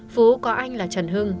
phú có anh là trần hưng